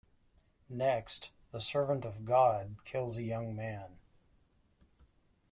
Next, the Servant of God kills a young man.